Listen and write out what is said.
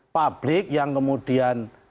publik yang kemudian